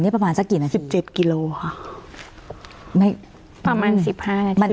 ประมาณสักกี่นาทีสิบเจ็ดกิโลค่ะไม่ประมาณสิบห้านาที